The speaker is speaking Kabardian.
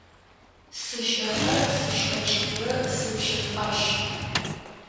Сыщӏыхьэ-сыщӏэкӏыурэ сыпщэфӏащ.